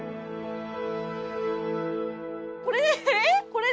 これ？